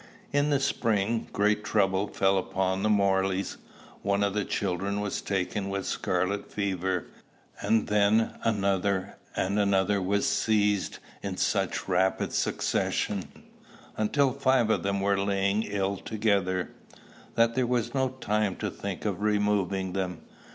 In the spring, great trouble fell upon the Morleys. One of the children was taken with scarlet fever; and then another and another was seized in such rapid succession until five of them were lying ill together that there was no time to think of removing them.